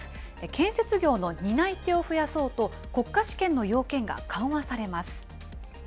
建設業の担い手を増やそうと、国家試験の要件が緩和されます。